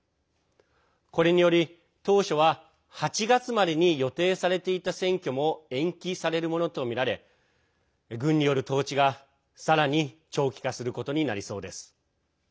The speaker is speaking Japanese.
これにより、当初は８月までに予定されていた選挙も延期されるものとみられ軍による統治が、さらに長期化することになりそうです。